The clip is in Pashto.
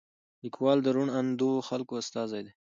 لیکوال د روڼ اندو خلکو استازی دی.